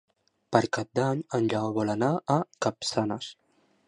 Per Cap d'Any en Lleó vol anar a Capçanes.